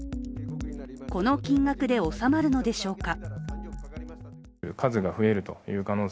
この金額で収まるのでしょうか。